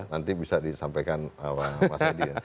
nanti bisa disampaikan mas adi